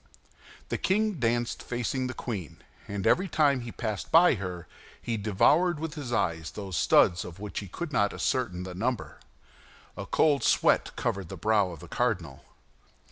The king danced facing the queen, and every time he passed by her, he devoured with his eyes those studs of which he could not ascertain the number. A cold sweat covered the brow of the cardinal.